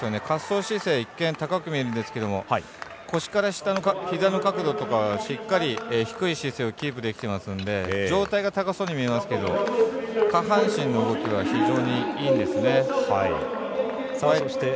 滑走姿勢一見高く見えるんですけど腰から下のひざの角度とかはしっかり低い姿勢をキープできていますので上体が高そうに見えますけど下半身の動きは非常にいいですね。